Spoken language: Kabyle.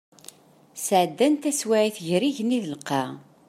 Sɛeddan-d taswiɛt gar yigenni d lqaɛa.